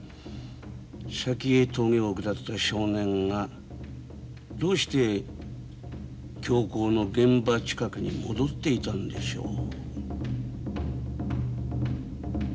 先へ峠を下った少年がどうして凶行の現場近くに戻っていたんでしょう？